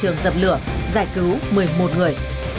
trường dập lửa giải cứu một mươi một người